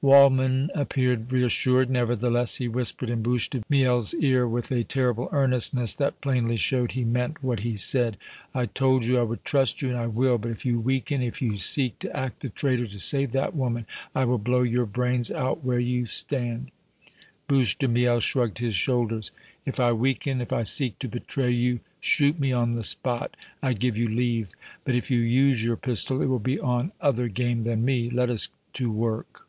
Waldmann appeared reassured; nevertheless he whispered in Bouche de Miel's ear with a terrible earnestness that plainly showed he meant what he said: "I told you I would trust you, and I will. But if you weaken, if you seek to act the traitor to save that woman, I will blow your brains out where you stand!" Bouche de Miel shrugged his shoulders. "If I weaken, if I seek to betray you, shoot me on the spot! I give you leave! But if you use your pistol, it will be on other game than me! Let us to work!"